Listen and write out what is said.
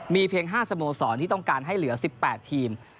มีเพียง๕สโมสรที่ต้องการให้เหลือ๑๘ทีม